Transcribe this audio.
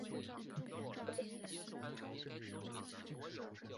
国王温坎在法国殖民者的保护下逃往暹罗。